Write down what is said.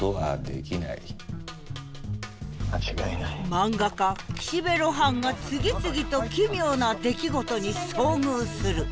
漫画家岸辺露伴が次々と「奇妙」な出来事に遭遇する。